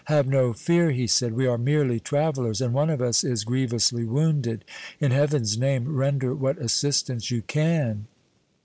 "Have no fear," he said. "We are merely travelers, and one of us is grievously wounded. In Heaven's name, render what assistance you can!"